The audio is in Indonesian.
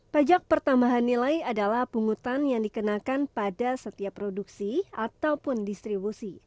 pajak pertambahan nilai adalah pungutan yang dikenakan pada setiap produksi ataupun distribusi